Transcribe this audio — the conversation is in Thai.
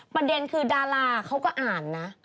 ประเด็นคือดาราเขาก็อ่านนะ